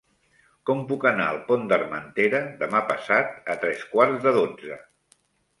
Com puc anar al Pont d'Armentera demà passat a tres quarts de dotze?